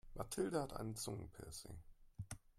Mathilde hat ein Zungenpiercing.